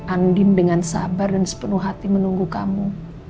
andin dengan sabar dan sepenuh hati menunggu kamu